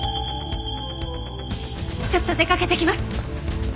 ちょっと出かけてきます！